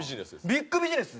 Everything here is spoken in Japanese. ビッグビジネス。